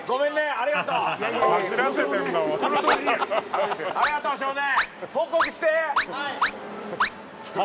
ありがとう少年！